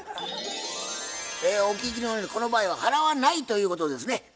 お聞きのようにこの場合は払わないということですね。